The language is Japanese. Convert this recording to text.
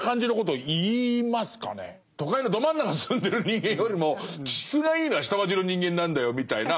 都会のど真ん中住んでる人間よりも気質がいいのは下町の人間なんだよみたいな。